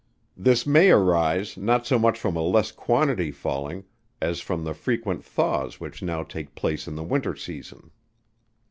This may arise not so much from a less quantity falling, as from the frequent thaws which now take place in the winter season.